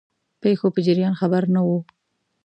پیښو په جریان خبر نه وو.